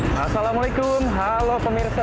pantai alam indah